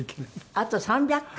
あと３００回？